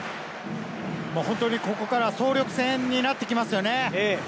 本当にここから総力戦になってきますよね。